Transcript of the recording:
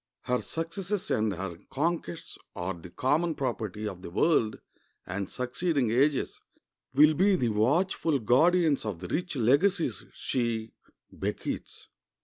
Her successes and her conquests are the common property of the world, and succeeding ages will be the watchful guardians of the rich legacies she bequeathes.